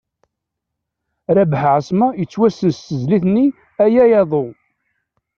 Rabeḥ Ԑesma yettwassen s tezlit-nni “Aya aḍu”.